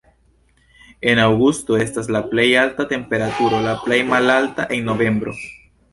En aŭgusto estas la plej alta temperaturo, la plej malalta en novembro.